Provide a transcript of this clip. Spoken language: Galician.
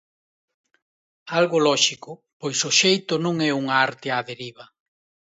Algo lóxico, pois o xeito non é unha arte á deriva.